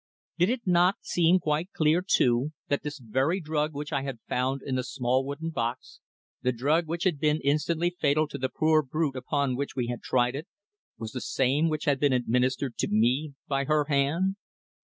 Did it not seem quite clear, too, that this very drug which I had found in the small wooden box, the drug which had been instantly fatal to the poor brute upon which we tried it, was the same which had been administered to me by her hand?